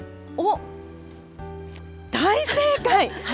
大正解。